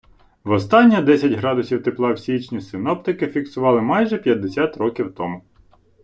Востаннє десять градусів тепла в січні синоптики фіксували майже п'ятдесят років тому.